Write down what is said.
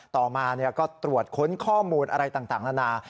ต่อมาก็ตรวจค้นข้อมูลอะไรต่างนานา